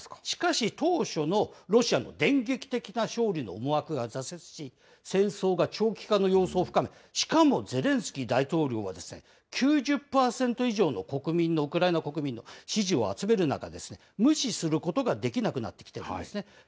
しかし、当初のロシアの電撃的な勝利の思惑が挫折し、戦争が長期化の様相を深め、しかもゼレンスキー大統領は、９０％以上の国民の、ウクライナ国民の支持を集める中、無視することができなくなってきているんですね。